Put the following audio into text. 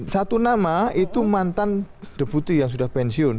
satu nama itu mantan deputi yang sudah pensiun